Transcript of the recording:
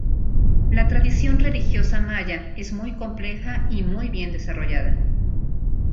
La tradición religiosa maya es muy compleja y muy bien desarrollada.